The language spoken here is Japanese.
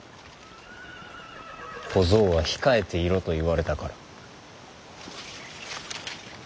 小僧は控えていろと言われたから。